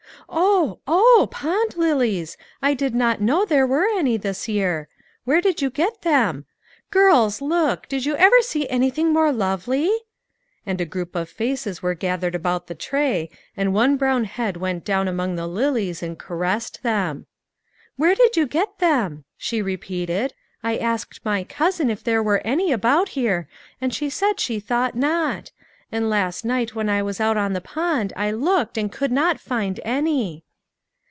"Oh, oh! pond lilies! I did not know there AN UNEXPECTED HELPEE. 231 were any this year. Where did you get them ? Girls, look! Did you ever see anything more lovely? "And a group of faces were gathered about the tray, and one brown head went down among the lilies and caressed them. " Where did you get them ?" she repeated ;" I asked my cousin if there were any about here, and she said she thought not ; and last night when I was out on the pond I looked and could not find any."